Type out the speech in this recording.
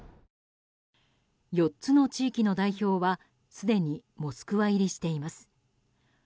４つの地域の代表はすでにモスクワ入りしています。